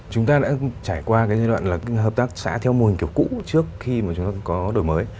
chúng ta đã trải qua cái giai đoạn là hợp tác xã theo mô hình kiểu cũ trước khi mà chúng ta có đổi mới